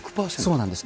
そうなんです。